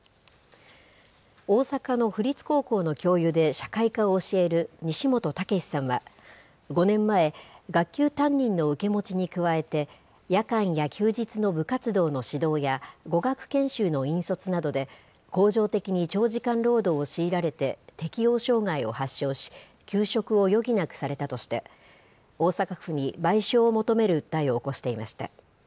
大阪の府立高校の教諭で、社会科を教える西本武史さんは、５年前、学級担任の受け持ちに加えて、夜間や休日の部活動の指導や、語学研修の引率などで、恒常的に長時間労働を強いられて、適応障害を発症し、休職を余儀なくされたとして、大阪府に賠償を求める訴えを起こしていました。